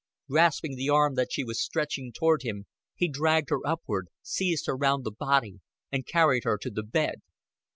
Grasping the arm that she was stretching toward him, he dragged her upward, seized her round the body, and carried her to the bed.